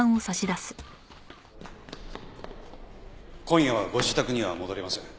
今夜はご自宅には戻れません。